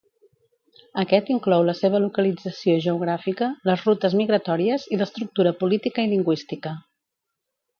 Aquest inclou la seva localització geogràfica, les rutes migratòries i l'estructura política i lingüística.